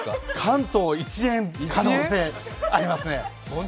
関東一円、可能性ありますね。